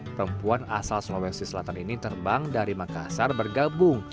perempuan asal sulawesi selatan ini terbang dari makassar bergabung